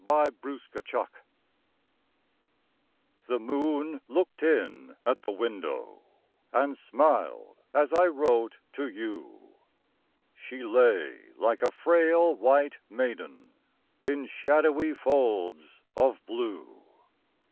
THE MOON'S MESSAGE The Moon looked in at the window, And smiled as I wrote to you, She lay like a frail white maiden, In shadowy folds of blue.